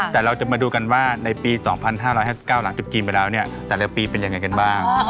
แต่เราจะมาดูกันว่าในปี๒๕๕๙หลังจุดจีนไปแล้วเนี่ยแต่ละปีเป็นยังไงกันบ้าง